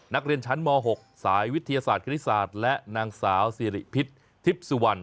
นักเรียนชั้นม๖สายวิทยาศาสตร์คณิตศาสตร์และนางสาวสิริพิษทิพย์สุวรรณ